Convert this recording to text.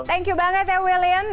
thank you banget ya william